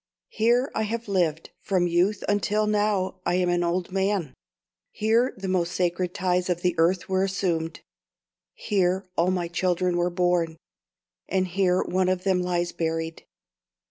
Here I have lived from youth until now I am an old man; here the most sacred ties of earth were assumed; here all my children were born, and here one of them lies buried.